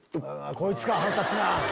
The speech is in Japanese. こいつか腹立つなぁ。